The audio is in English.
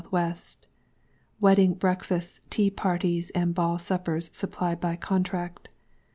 Wedding Breakfasts, Tea Parties, & Ball Suppers supplied by Contract.